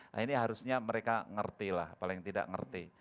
nah ini harusnya mereka ngerti lah paling tidak ngerti